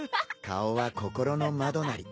顔は心の窓なり。